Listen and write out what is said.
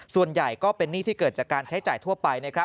ส่วนใหญ่ก็เป็นหนี้ที่เกิดจากการใช้จ่ายทั่วไปนะครับ